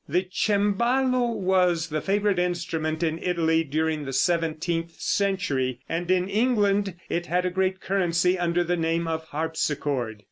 The cembalo was the favorite instrument in Italy during the seventeenth century, and in England it had a great currency under the name of harpsichord.